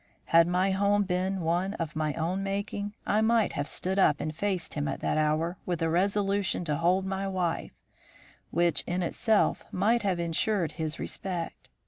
Had my home been one of my own making, I might have stood up and faced him at that hour with a resolution to hold by my wife, which in itself might have ensured his respect.